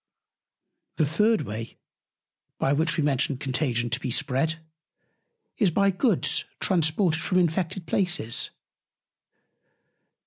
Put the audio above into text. The third Way, by which we mentioned Contagion to be spread, is by Goods transported from infected Places.